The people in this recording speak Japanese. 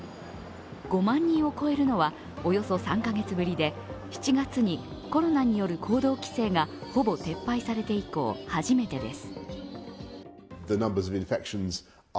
５万人を超えるのはおよそ３カ月ぶりで、７月にコロナによる行動規制がほぼ撤廃されて以降初めてです。